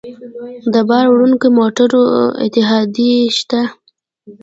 د بار وړونکو موټرو اتحادیې شته